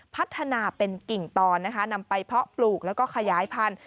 พัฒนาเป็นกิ่งตอนนะคะนำไปเพาะปลูกแล้วก็ขยายพันธุ